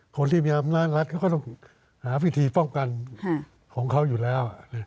คนที่มีอำนาจรัฐเขาก็ต้องหาวิธีป้องกันของเขาอยู่แล้ว